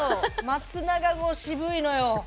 松永号渋いのよ。